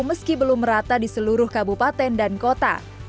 meski belum merata di seluruh kabupaten dan kota